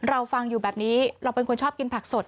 เราฟังอยู่แบบนี้เราเป็นคนชอบกินผักสด